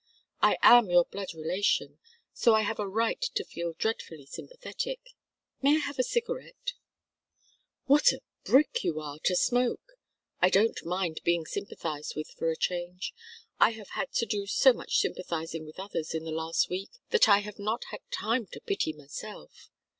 I am your own blood relation, so I have a right to feel dreadfully sympathetic may I have a cigarette?" "What a brick you are to smoke! I don't mind being sympathized with for a change. I have had to do so much sympathizing with others in the last week that I have not had time to pity myself.